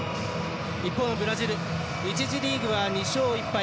一方のブラジル１次リーグは２勝１敗。